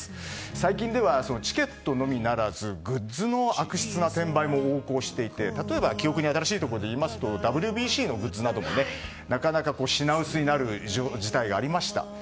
最近ではチケットのみならずグッズの悪質な転売も横行していて、例えば記憶に新しいところでいいますとＷＢＣのグッズなどが品薄になる非常事態がありました。